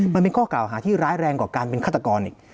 มันเป็นข้อกล่าวหาที่ร้ายแรงกว่าการเป็นฆาตกรอีก